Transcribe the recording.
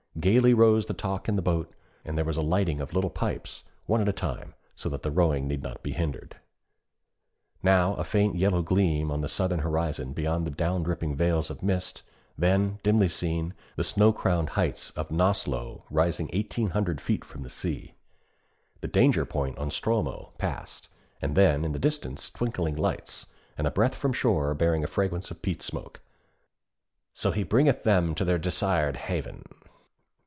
Gayly rose the talk in the boat, and there was a lighting of little pipes, one at a time, so that the rowing need not be hindered. Now a faint yellow gleam on the southern horizon beyond the down dropping veils of mist; then, dimly seen, the snow crowned heights of Naalsö rising eighteen hundred feet from the sea. The danger point on Stromö passed, and then in the distance twinkling lights, and a breath from shore bearing the fragrance of peat smoke. 'So he bringeth them to their desired haven.'